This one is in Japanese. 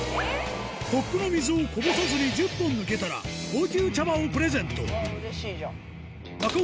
コップの水をこぼさずに１０本抜けたら、高級茶葉をプレゼント。